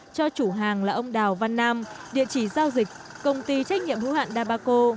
cho chủ hàng là ông đào văn nam địa chỉ giao dịch công ty trách nhiệm hữu hạn dabaco